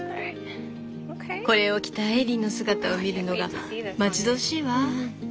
これを着たエリーの姿を見るのが待ち遠しいわ。